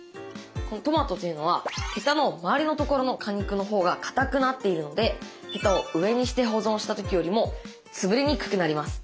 トマトというのはヘタの周りのところの果肉のほうがかたくなっているのでヘタを上にして保存した時よりも潰れにくくなります。